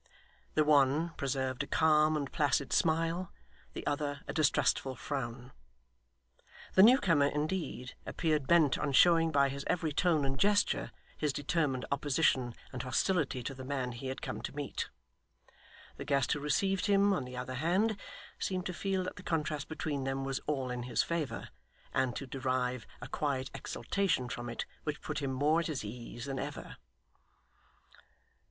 The one preserved a calm and placid smile; the other, a distrustful frown. The new comer, indeed, appeared bent on showing by his every tone and gesture his determined opposition and hostility to the man he had come to meet. The guest who received him, on the other hand, seemed to feel that the contrast between them was all in his favour, and to derive a quiet exultation from it which put him more at his ease than ever.